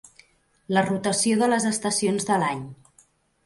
La rotació de les estacions de l'any.